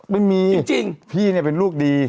ไม่มีจริงพี่เนี่ยเป็นลูกดี